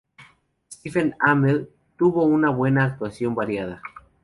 Stephen Amell tuvo una buena actuación variada".